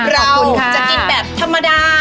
เราจะกินแบบธรรมดา